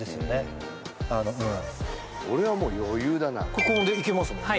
ここもいけますもんね